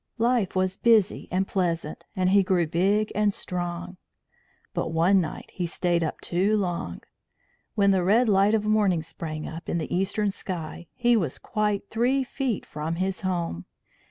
Life was busy and pleasant, and he grew big and strong. But one night he stayed up too long; when the red light of morning sprang up in the eastern sky he was quite three feet from his home.